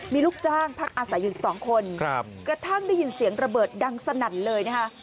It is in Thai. มีลูกจ้างพักอาศัยอยู่อีก๒คนกระทั่งได้ยินเสียงระเบิดดังสนั่นเลยนะคะ